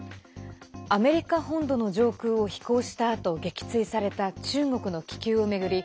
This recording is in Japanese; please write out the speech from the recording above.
アメリカ本土の上空を飛行したあと撃墜された中国の気球を巡り